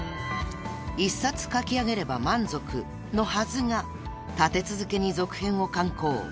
［１冊書き上げれば満足のはずが立て続けに続編を刊行］